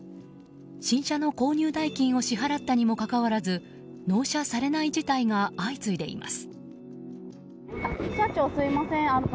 新車の購入代金を支払ったにもかかわらず納車されない事態が相次いでいます。